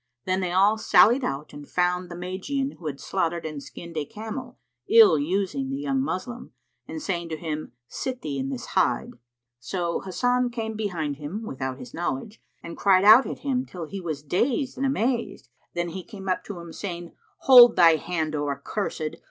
Then they all sallied out and found the Magian who had slaughtered and skinned a camel, ill using the young Moslem, and saying to him, "Sit thee in this hide." So Hasan came behind him, without his knowledge, and cried out at him till he was dazed and amazed. Then he came up to him, saying, "Hold thy hand, O accursed!